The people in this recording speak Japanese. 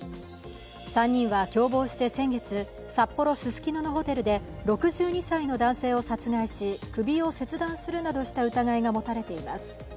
３人は共謀して先月、札幌・ススキノのホテルで６２歳の男性を殺害し、首を切断するなどした疑いが持たれています。